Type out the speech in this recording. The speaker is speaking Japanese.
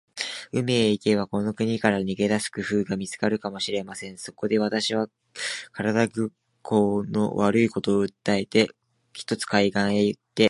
海へ行けば、この国から逃げ出す工夫が見つかるかもしれません。そこで、私は身体工合の悪いことを訴えて、ひとつ海岸へ行って